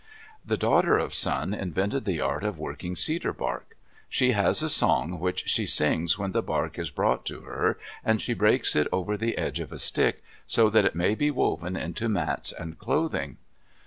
The Daughter of Sun invented the art of working cedar bark. She has a song which she sings when the bark is brought to her and she breaks it over the edge of a stick, so that it may be woven into mats and clothing.